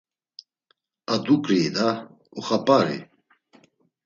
Ar duǩrii da! Uxap̌ari!